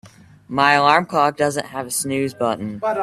My alarm clock doesn't have a snooze button.